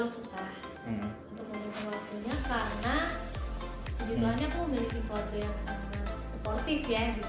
sebenernya gak terlalu susah